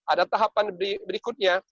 ada tahapan berikutnya